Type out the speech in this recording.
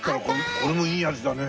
これもいい味だね。